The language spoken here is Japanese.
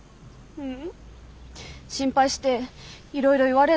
うん。